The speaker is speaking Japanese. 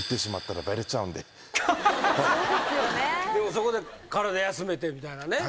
そこで体休めてみたいなね。